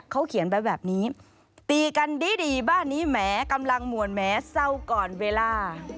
เขาเขียนไว้แบบนี้ตีกันดีดีบ้านนี้แหมกำลังหมวลแม้เศร้าก่อนเวลา